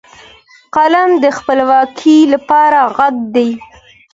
قلم د خپلواکۍ لپاره غږ دی